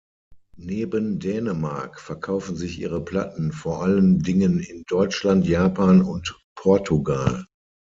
Neben Dänemark verkaufen sich ihre Platten vor allen Dingen in Deutschland, Japan und Portugal.